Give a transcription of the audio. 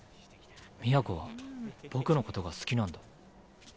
都は僕のことが好きなんだ。